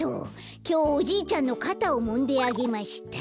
きょう「おじいちゃんのかたをもんであげました」。